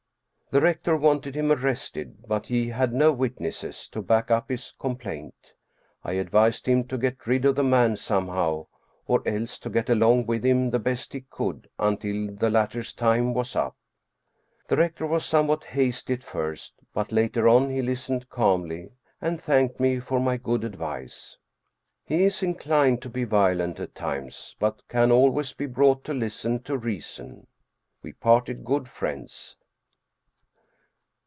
The rector wanted him arrested, but he had no wit nesses to back up his complaint. I advised him to get rid of the man somehow, or else to get along with him the best he could until the latter's time was up. The rector was somewhat hasty at first, but later on he listened calmly and thanked me for my good advice. He is inclined to be 280 Steen Steensen Blicher violent at times, but can always be brought to listen to reason. We parted good friends.